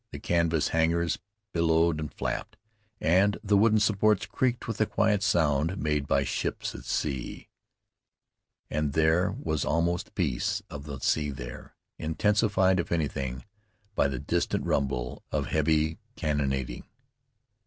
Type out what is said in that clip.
The canvas hangars billowed and flapped, and the wooden supports creaked with the quiet sound made by ships at sea. And there was almost the peace of the sea there, intensified, if anything, by the distant rumble of heavy cannonading.